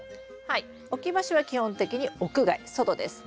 はい置き場所は基本的に屋外外です。